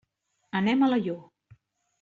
Anem a Alaior.